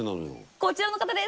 こちらの方です。